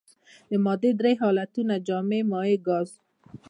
د مادې درې حالتونه جامد مايع ګاز.